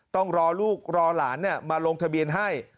ต้องรอลูกรอหลานมาลงทะเบียนให้